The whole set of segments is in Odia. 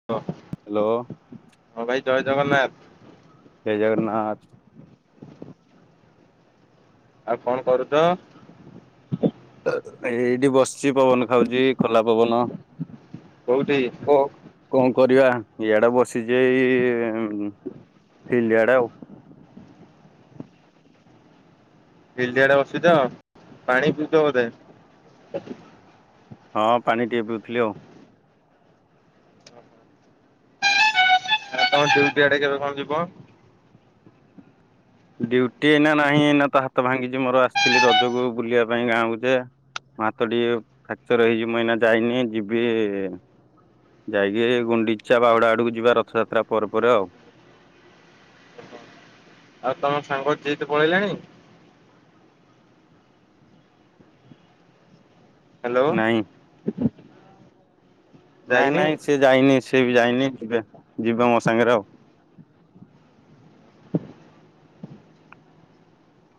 [inaudible] [unintelligible] ହାଲୋ- ହଁ ଭାଇ ଜୟ ଜଗନ୍ନାଥ- ଜୟ ଜଗନ୍ନାଥ- ଆଉ କଣ କରୁଚ- ଏଇଠି ବସିଛି ପବନ ଖାଉଛି ଖୋଲା ପବନ। କୋଉଠି- ଓ କଣ କରିବା ଇଆଡେ ବସିଛି ଏଇ ଫିଲ୍ଡ ଆଡେ ଆଉ- ଫିଲ୍ଡିିଆଡେ ବସିଛ ଆ ପାଣି ପିଇଛ ବୋଧେ- ହଁ ପାଣି ଟିକେ ପିଉଥିଲି ଆଉ- ଆଉ ଡ୍ୟୁଟି ଆଡେ କେବେ କଣ ଯିବ। ଡ୍ୟୁଟି ଏଇନା ନାହିଁ ଏନା ତ ହାତ ଭାଙ୍ଗିଛି ମୋର ଆସିଥିଲି ରଜକୁ ବୁଲିବା ପାଇଁ ଗାଁକୁ ଯା- ମୋ ହାତ ଟିକେ ଫ୍ରାକ୍ଚର ହେଇଛି ଏଇନା ଯାଇନି ଯିବି ଇ ଯାଇକି ଗୁଣ୍ଡିଚା ବାହୁଡା ଆଡକୁ ଯିବା ରଥଯାତ୍ରା ପରେ ପରେ ଆଉ। ଆଉ ତମ ସାଙ୍ଗ ଜିତି ପଳେଇଲାଣି- ହ୍ୟାଲୋ ନାଇଁ- ନାଇଁ ଯାଇନି ନାଇଁ ସି ଯାଇନି ସିଏ ବି ଯାଇନି ଯିବେ ଯିବ ମୋ ସାଙ୍ଗରେ ଆଉ।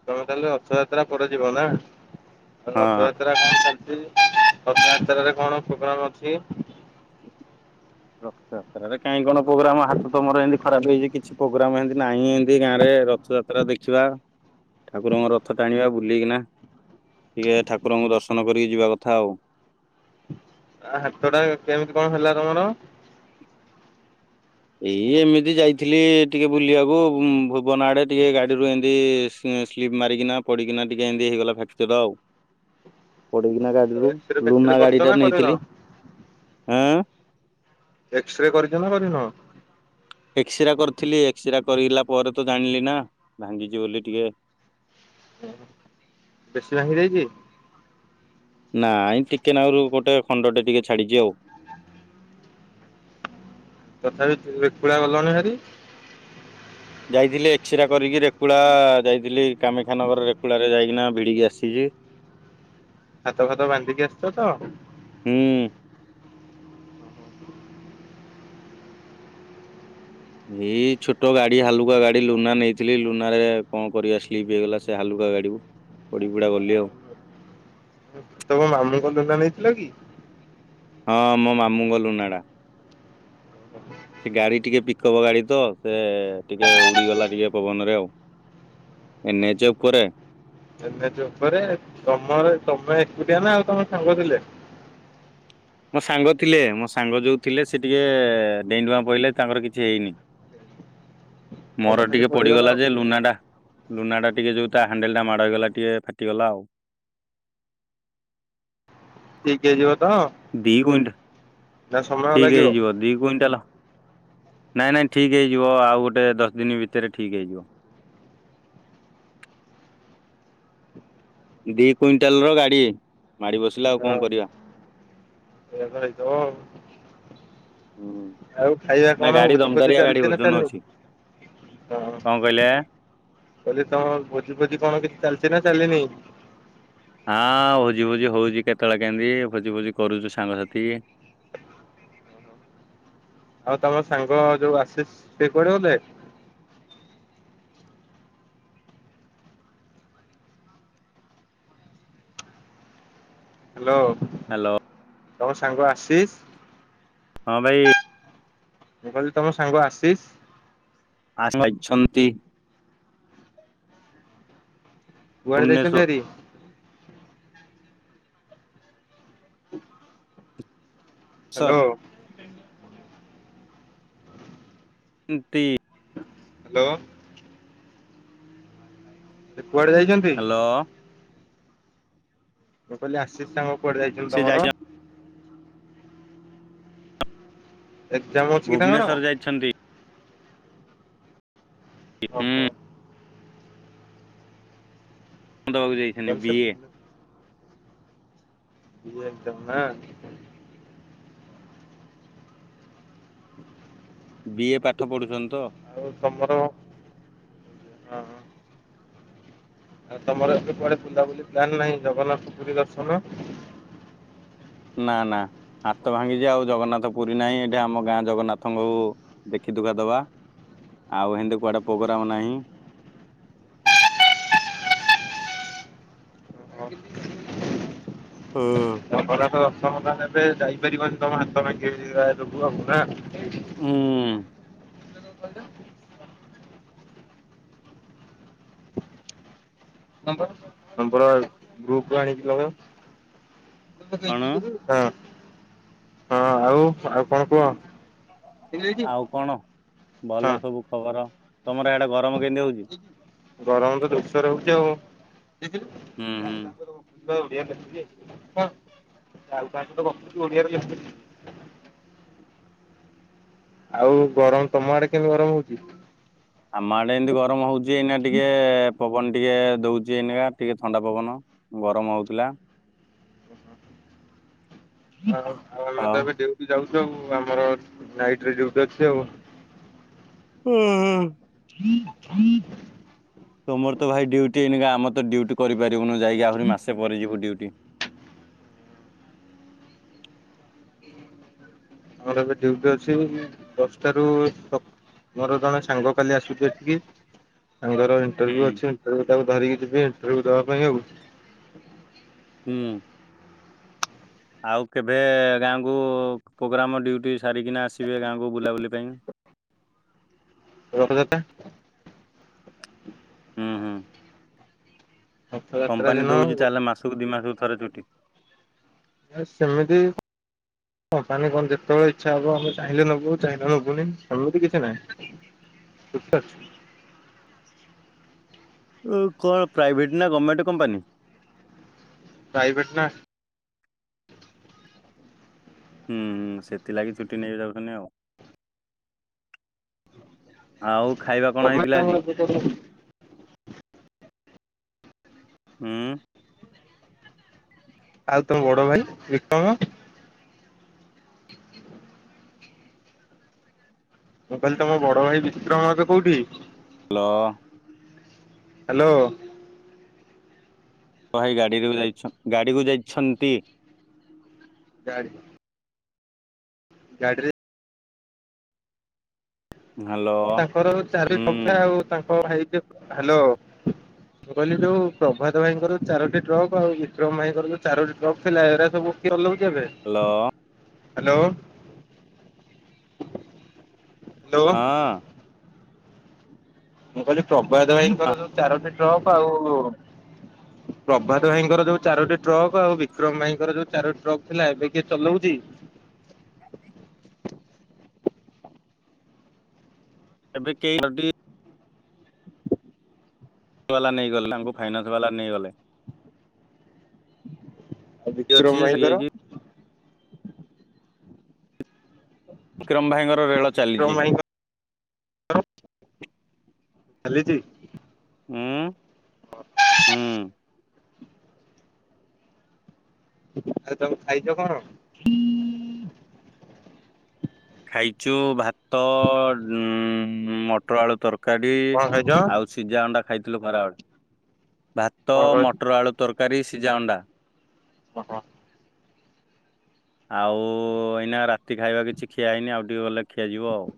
ତମେ ତାହେଲେ ରଥଯାତ୍ରା ପରେ ଯିବ ନା ହଁ। ରଥଯାତ୍ରା- କଣ ଚାଲିଛି [unintelligible] ରଥଯାତ୍ରାରେ କଣ ପ୍ରୋଗ୍ରାମ ଅଛି। ରଥଯାତ୍ରାରେ କାହିଁ କଣ ପ୍ରୋଗ୍ରାମ ହାତତ ମୋର ଏମିତି ଖରାପ ହେଇଛି କିଛି ପ୍ରୋଗ୍ରାମ ଏମିତି ନାହିଁ ଏମିତି ଗାଁରେ ରଥଯାତ୍ରା ଯାତ୍ରା ଦେଖିବା ଠାକୁରଙ୍କ ରଥ ଟାଣିବା ବୁଲିକିନା। ଟିକେ ଠାକୁରଙ୍କୁ ଦର୍ଶନ କରିକି ଯିବା କଥା ଆଉ- ହାତ ଟା କେମିତି କଣ ହେଥିଲା ତମର- ଏଇ ଏମିତି ଯାଇଥିଲି ଟିକେ ବୁଲିବାକୁ ଭୁବନ ଆଡେ ଟିକେ ଗାଡିରୁୁ ଏମତି ତି ସ୍ଲିପ୍ ମାରିକିନା ପଡ଼ିକି ଟିକେ ଏମିତି ହେଇଗଲା ଫ୍ୟାକ୍ଚର ଆଉ- ପଡିକିନା ଗାଡିରୁ ଏକ୍ସରେ ଫେକ୍ସରେ ଲୁନା କରିଛ ଗାଡି ନା ଟା କରିନ ନେଇଥିଲି ଆଁ ଏକ୍ସରେ କରିଛନ୍ତି ନା କରିନ? ଏକ୍ସିରା କରିଥିଲି ଏକ୍ସିରା କରିଲା ପରେ ତ ଜାଣିଲି ନା ଭାଙ୍ଗିଛି ବୋଲି ଟିକେ- [unintelligible] ବେଶୀ ଭାଙ୍ଗି ଯାଇଚି? ନାଇଁ ଟିକେ ନାଁରୁ ଗୋଟେ ଖଣ୍ଡଟେ ଟିକେ ଛାଡିଛି ଆଉ। ତଥାପି ରେକୁୁଳା ଗଲଣି ହାରି। ଯାଇଥିଲି ଏକ୍ସିରା କରିକି ରେକୁଳା ଯାଇଥିଲି କାମାକ୍ଷାନଗର ରେକୁଳାରେ ଯାଇକିନା ଭିଡ଼ିକି ଆସିଚି। ହାତ ଫାତ ବାନ୍ଧିକି ଆସିଚ ତ? ହୁଁ। ଏଇ ଛୋଟ ଗାଡି ହାଲୁକା ଗାଡି ଲୁନା ନେଇଥିଲି ଲୁନା ରେ କଣ କରିବା ସ୍ଲିପ୍ ହେଇଗଲା ସେ ହାଲୁକା ଗାଡିକୁ ପଡି ପୁଡା ଗଲି ଆଉ। ତମ ମାମୁଁଙ୍କ ଲୁନା ନେଇଥିଲ କି? ହଁ ମୋ ମାମୁଁ ଙ୍କ ଲୁନା ଟା। ସେ ଗାଡି ଟିକେ ପିକଅପ୍ ଗାଡି ତ ସେ ଟିକେ ଉଡିଗଲା ଟିକେ ପବନରେ ଆଉ। ଏନ ଏଚ ଉପରେ। ଏନ ଏଚ ଉପରେ ତମର ତମେ ଏକୁଟିଆ ନା ଆଉ ତମ ସାଙ୍ଗ ଥିଲେ? ମୋ ସାଙ୍ଗ ଥିଲେ ମୋ ସାଙ୍ଗ ଯୋଉ ଥିଲେ ସେ ଟିକେ ଡେଇଁଣ୍ଡୁଆ ପଡିଲେ ତାଙ୍କର କିଛି ହେଇନି। ତମେ ମୋର ଖାଲି ଟିକେ ପଡିଗଲ ପଡ଼ିଗଲା ଆଉ ଯେ ଲୁନାଟା ଲୁନା ଟା ଟିକେ ଯୋଉ ତା ହାଣ୍ଡେଲ ଟା ମାଡ଼ ହେଇଗଲା ଟିକେ ଫାଟିଗଲା ଆଉ। ଠିକି ହେଇଯିବ ତ? ଦି କୁଇଣ୍ଟାଲ ନା ସମୟ ଠିକି ଲାଗିବ? ହେଇଯିବ ଦି କୁଇଣ୍ଟାଲ ନାଇଁ ନାଇଁ ଠିକ୍ ହେଇଯିବ ଆଉ ଗୋଟେ ଦଶ ଦିନି ଭିତରେ ଠିକ୍ ହେଇଯିବ। ଦି କୁଇଣ୍ଟାଲ ର ଗାଡି ମାଡି ବସିଲା ଆଉ କଣ କରିବା। [inaudible] ଓ ହୁଁ। ଆଉ ଖାଇବା ନା କଣ ଗାଡି ଭୋଜି ଫୋଜି ଦମଦାରିଆ ଗାଡି ଚାଲିଚି ନା ଓଜନ ଚାଲିନି? ଅଛି ହଁ କଣ କହିଲେ? କହିଲି ତମ ଭୋଜି ଫୋଜି କଣ କିଛି ଚାଲିଚି ନା ଚାଲିନି? ହାଁ ଭୋଜି ଭୋଜି ହଉଚି କେତେବେଳେ କେନ୍ତି ଭୋଜି ଭୋଜି କରୁଚୁ ସାଙ୍ଗସାଥି। ଆଉ ତମ ସାଙ୍ଗ ଯୋଉ ଆଶିସି ସେ କୁଆଡେ ଗଲେ? ହ୍ୟାଲୋ। ହ୍ୟାଲୋ। ତମ ସାଙ୍ଗ ଆସିଷ? ହଁ ଭାଇ। ମୁଁ କହିଲି ତମ ସାଙ୍ଗ ଆସିିସି? [unintelligible] ଛନ୍ତି। କୁଆଡେ ଜାଇ ଛନ୍ତି ଭୁବନେଶ୍ଵର ଭାରି? Sir hello. ନ୍ତିତି। ହ୍ୟାଲୋ। ସେ କୁଆଡେ ଯାଇଛ? ହ୍ୟାଲୋ। ମୁଁ କହିଲି ଆଶିଷ ସାଙ୍ଗ କୁଆଡେ ଯାଇଛନ୍ତି ସେ ତମର? ଯାଇ ଏକଜାମ ଭୁବନେଶ୍ଵର ଯାଇଛନ୍ତି। ହଁ। ଓହୋ କ ଦେବାକୁ ଯାଇଛନ୍ତି ତାହେଲେ ସେ ବିଏ [unintelligible] ଭୁବନେ ଏ ଏକଦମ ନା [unintelligible] ବିଏ ପାଠ ପଢୁଛନ୍ତି ତ। ଆଉ ତମର? ହଁ ହଁ। ଆଉ ତମର ଏବେ କୁଆଡେ ବୁଲାବୁଲି ପ୍ଲାନ ନାହିଁ ଜଗନ୍ନାଥ ପୁରୀ ଦର୍ଶନ? ନା ନା ହାତ ଭାଙ୍ଗିଚି ଆଉ ଜଗନ୍ନାଥ ପୁରୀ ନାହିଁ ଏଠି ଆମ ଗାଁ ଜଗନ୍ନାଥଙ୍କୁ ଦେଖି ଦୁଖା ଦବା ଆଉ ହେନ୍ତି କୁଆଡେ ପୋଗୋରାମ ନାହିଁ। ଓହୋ ହୁଁ। ଜଗନ୍ନାଥ ଦର୍ଶନ ତାହାନେ ଏବେ ଯାଇପାରିବନି ତମ ହାତ ଭାଙ୍ଗି ଯାଇଚି ରା ଯୋଗୁ ଆଉ ନା ଉଁ। [inaudible] ତମ୍ଭା ପଥର। ନମ୍ବର ଗ୍ରୁପୁରୁ ଆଣିକି ଲଗାଅ କଣ ହଁ। ହଁ ଆଉ ଆଉ କଣ କୁହ? ଆଉ କଣ ହଁ ଭଲ ସବୁ ଖବର ତମର ହ୍ୟାଡେ ଗରମ କେମିତି ହଉଚି? ଗରମ ତ ଜୋଷରେ ହଉଚି ଆଉ। ହୁଁ ହୁଁ [inaudible] ଆଉ ଗରମ ତମ ଆଡେ କେମିତି ଗରମ ହଉଚି? ଆମ ଆଡେ ଏନ୍ତି ଗରମ ହଉଚି ଏନା ଟିକେ ପବନ ଟିକେ ଦଉଚି ଏଇ ନାକା ଟିକେ ଥଣ୍ଡା ପବନ। ଗରମ ହଉଥିଲା। [unintelligible] ହଁ ଆଉ ଆମେ ତ ଏବେ ଡ୍ୟୁଟି ଯାଉଚୁ ଆଉ ଆମର ନାଇଟରେ ଡ୍ୟୁଟି ଅଛି ଆଉ। ହୁଁ। ହଁ ତୁମର ତ ଭାଇ ଡ୍ୟୁଟି ଏଇନିକା ଆମ ତ ଡ୍ୟୁଟି କରିପାରିବୁନୁ ଯାଇକି ଆହୁରି ମାସେ ପରେ ଯିବୁ ଡ୍ୟୁଟି। ଏଟା ଏବେ ଡ୍ୟୁଟି ଅଛି ଦଶଟା ରୁ ତ ମୋର ଜଣେ ସାଙ୍ଗ କାଲି ଆସୁଚି ଏଠିକି ସାଙ୍ଗର ଇରୁ ହୁଁ ଅଛି ତାକୁ ଧରିକି ଯିବେ ଇନଟ୍ରବ୍ୟୁ ଦେବା ପାଇଁ ଆଉ। ହୁଁ। ଆଉ କେବେ ଗାଁକୁ ପ୍ରୋଗ୍ରାମ ଡ୍ୟୁଟି ସାରିକିନା ଆସିବେ ଗାଁକୁ ବୁଲାବୁଲି ପାଇଁ। ରଖ ଦାତା। ହୁଁ ହୁଁ। ରଥଯାତ୍ରା କମ୍ପାନୀ ଦିନ ଦଉଚି ତାହେଲେ ମାସକୁ ଦି ମାସକୁ ଥରେ ଛୁଟି। ଆ ସେମିତି ହଁ ତାନେ କନ ଯେତଏଳେ ଇଛା ହବ ଆମେ ଚାହିଁଲେ ନେବୁ ଚାହିଁଲେ ନବୁନି ସେମିତି କିଛି ନାହିଁ। ସୁତ ଉଁ କଣ ପ୍ରାଇଭେଟ ନା ଗଭମେଣ୍ଟ କମ୍ପାନୀ? ପ୍ରାଇଭେଟ ନା। ହୁଁ ହୁଁ ସେଥିଲାଗି ଛୁଟି ନେଇ ଯାଉଚନ୍ତି ଆଉ। ଆଉ ଖାଇବା କଣ ଗମେଣ୍ଟ ହେଇଥିଲା ଆଜି? [unintelligible] ହୁଁ। ଆଉ ତମ ବଡ ଭାଇ ବିକ୍ରମ ମୁଁ କହିଲି ତମ ବଡ ଭାଇ ବିକ୍ରମ ଏବେ କୋଉଠି? ହାଲ। ହାଲୋ। କଁ ଭାଇ ଗାଡ଼ିରୁ ଯାଇଛୁ ଗାଡ଼ିକୁ ଯାଇଛନ୍ତି। [unintelligible] ଗାଡରେ ହାଲୋ ତାଙ୍କର ଚାରି ହୁଁ ପବଥା ଆଉ ତାଙ୍କ ହେଇ ହ୍ୟାଲୋ କହିଲି ଯୋଉ ପ୍ରଭାତ ଭାଇଙ୍କର ଚାରୋଟି ଟ୍ରକ୍ ଆଉ ବିକ୍ରମ ଭାଇଙ୍କର ଯଉ ଚାରୋଟି ଟ୍ରକ୍ ଥିଲା ଏରା ସବୁ କି ଅଲଉଚି ଏବେ। Hello hello. ହ୍ୟାଲୋ ହଁ। ମୁଁ କହିଲି ପ୍ରଭାତ ଭାଇଙ୍କର ଯୋଉ ଚାରଟି ଟ୍ରକ ଆଉ ପ୍ରଭାତ ଭାଇଙ୍କର ଯୋଉ ଚାରୋଟି ଟ୍ରକ ଆଉ ବିକ୍ରମ ଭାଇଙ୍କର ଯୋଉ ଚାରୋଟି ଟ୍ରକ ଥିଲା ଏବେ କିଏ ଚଲଉଛି। ଏବେ କେହି ଯଦି ବାଲା ନେଇଗଲେ ତାଙ୍କୁ ଫାଇନାନ୍ସ ବାଲା ନେଇଗଲେ। ଆଉ ଅଛି ବିକ୍ରମ ଯେ ସେଠି ଭାଇଙ୍କର। ଯାଇଛି ବିକ୍ରମ ଭାଇଙ୍କର ରେଳ ଚାଲିଛି। [unintelligible] ହୁଁ। [inaudible] ଆଉ ତମେ ଖାଇଛ କଣ? ଖାଇଛୁ ଭାତ ଉ ମଟର ଆଳୁ ତରକାରୀ କଣ ଖାଇଛ ଆଉ ସିଝା ଅଣ୍ଡା ଖାଇଥିଲୁ ଖରାବେଳେ। ଭାତ କଣ କହିଲ? ମଟର ଆଳୁ ତରକାରୀ ସିଝା ଅଣ୍ଡା। ହଁ ହ। ଆଉ ଏଇନା ଖାଇବା କିଛି ଖିଆଇନି ଆଉ ଟିକେ ଗଲେ ଖିଆଯିବ ଆଉ।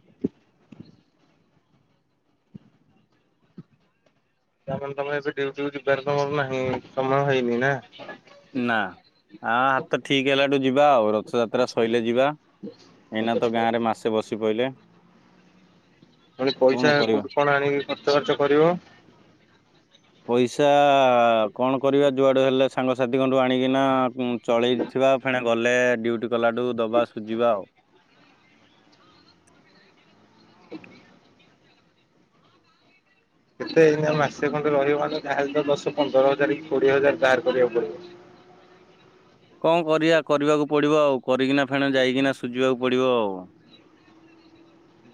ତାମାନେ ତମେ ଏ ଡଉଟିକୁୁ ଯିବାରେ ତମର ନାହିଁ, ସମୟ ହେଇନି ନା ନା ଆ ହାତ ଠିକ ହେଲାଠୁ ଯିବା ଆଉ, ରଥଯାତ୍ରା ସଇିଲେ ଯିବା। ଏଇନା ତ ଗାଁ ରେ ମାସେ ବସି ପଇଲେ। ପୁଣି ପଇସା କଣ କରିବା କୋଉଠି କଣ ଆଣିକି ଖର୍ଚ୍ଚ ବାର୍ଚ୍ଚ କରିବ। ପଇସା କଣ କରିବା? ଯୁଆଡେ ହେଲେ ସାଙ୍ଗସାଥିଙ୍କଠୁ ଆଣିକିନା ଚଳେଇଥିବା ଫେଣା ଗଲେ ଡ୍ୟୁଟି କଲାଠୁ ଦବା ସୁଝିବା ଆଉ। [inaudible] କେତେ ଏଇନେ ମାସେ ଖଣ୍ଡେ ରହିବ ମନେ ଯହା ହେଲେ ଦଶ ପନ୍ଦର ହଜାର କି କୋଡିଏ ହଜାର ଧାର କରିବାକୁ ପଡିବ। କଣ କରିବା କରିବାକୁ ପଡିବ ଆଉ? କରିକିନା ଫେଣ ଯାଇକିନା ସୁଝିବାକୁ ପଡିବ ଆଉ।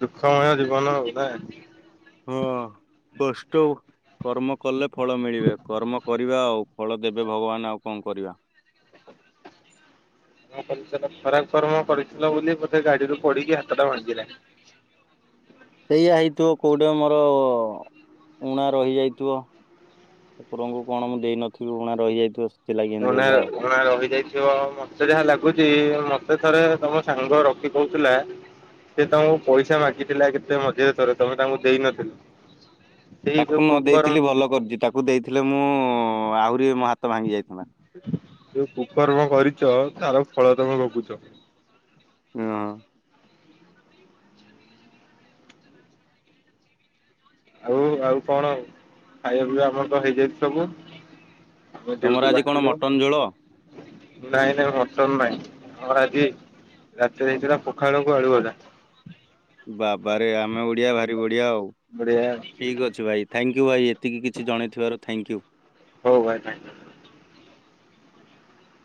ଦୁଃଖମୟ ଜୀବନ ଆଉ ନା। ହଁ। କଷ୍ଟ କର୍ମ କଲେ ଫଳ ମିଳିବେ। କର୍ମ କରିବା ଆଉ ଫଳ ଦେବେ ଭଗବାନ। ଆଉ କଣ କରିବା? କ କରି ଖରାକ କର୍ମ କରିଥିଲ ବୋଲି ବୋଧେ ଗାଡିରୁୁ ପଡିକି ହାତ ଟା ଭାଙ୍ଗିଲା। ସେଇଆ ହେଇଥିବ କୋଉଠି ମୋର ଉଊଣା ରହିଯାଇଥିବ। ଠାକୁରଙ୍କୁ କଣ ମୁଁ ଦେଇନଥିବି ଊଣା ରହିଯାଇଥିବ। ସେଥିଲାଗି ଏମିତି ଊଣା ହେଲା ଆଉ। ଣା ରହିଯାଇଥିବ। ମତେ ଯାହା ଲାଗୁଛି, ମତେ ଥରେ ତମ ସାଙ୍ଗ ରଖି କହୁଥିଲା ସେ ତମକୁ ପଇସା ମାଗିଥିଲା କେତେ ମଝିରେ ଥରେ? ତମେ ତାଙ୍କୁ ଦେଇନଥିଲ। ସେଇ ଯୋଉ ତାକୁ ନ କୁକର୍ମ ଦେଇେଇଥିଲି ଭଲ କରିଛି। ତାକୁ ଦେଇଥିଲେ ମୁଁ ଆହୁରି ମୋ ହାତ ଭାଙ୍ଗି ଯାଇଥାଆନ୍ତା। ଯୋଉ ପୁକର୍ମ କରିଛ, ତାର ଫଳ ତମେ ଭୋଗୁଛ। ଓ ହ। ଆଉ ଆଉ କଣ? ଖାଇବା ପିଇବା ଆମର ତ ହେଇଯାଇଛି ସବୁ। ଆମେ ତମର ଡିଉଟି ଆଜି କଣ ମଟନ ଝୋଳ ବାହାରିଲୁ। ରାତିରେ ହେଇଥିଲା ପଖାଳ କୁ ଆଳୁଭଜା। ବାବା ରେ ଆମେ ଓଡିଆ ଭାରି ବଢ଼ିଆ ଆଉ। ବଢିଆ। ଠିକ୍ ଅଛି ଭାଇ ଥ୍ୟାଙ୍କ୍ ୟୁ ଭାଇ ଏତିକି କିଛି ଜଣେଇ ଥିବାରୁ ଥ୍ୟାଙ୍କ୍ ୟୁ। ହଉ ଭାଇ ଥ୍ୟାଙ୍କ୍ ୟୁ।